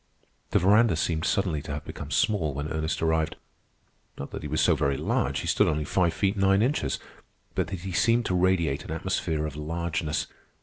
The veranda seemed suddenly to have become small when Ernest arrived. Not that he was so very large—he stood only five feet nine inches; but that he seemed to radiate an atmosphere of largeness.